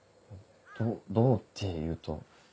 どうっていうと？